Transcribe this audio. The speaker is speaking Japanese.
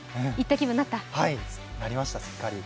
なりました、しっかり。